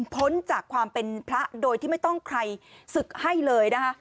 พ้นจากความเป็นพระโดยที่ไม่ต้องใครศึกให้เลยนะคะ